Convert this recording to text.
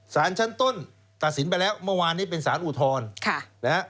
ศาลชั้นต้นตัดสินไปแล้วเมื่อวานนี้เป็นศาลอุทธวณ